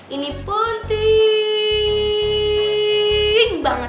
ini penting banget